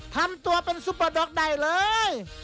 ทำตัวเป็นซุปเปอร์ด็อกได้เลย